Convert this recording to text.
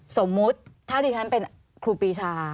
สมมุติถ้าที่ฉันเป็นครูปีชา